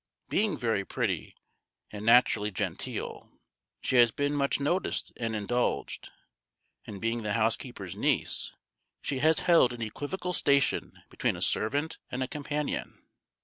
Being very pretty, and naturally genteel, she has been much noticed and indulged: and being the housekeeper's niece, she has held an equivocal station between a servant and a companion.